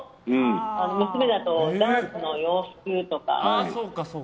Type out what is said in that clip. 娘だとダンスの洋服とか。